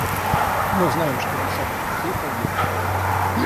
Мы знаем, что десятки детей погибли.